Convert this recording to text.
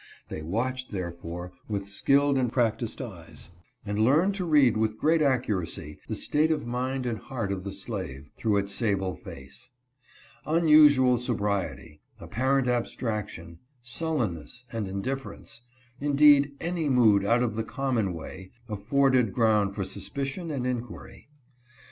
They watched, therefore, with skilled and practiced eyes, and learned to read, with great accu racy, the state of mind and heart of the slave, through his sable face. Unusual sobriety, apparent abstraction, sul lenness, and indifference, — indeed, any mood out of the 196 WHIPPING THE DEVIL OUT OF HIM. common way, — afforded ground for suspicion and inquiry.